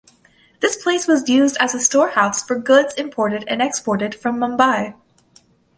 This place was used as a storehouse for goods imported and exported from Mumbai.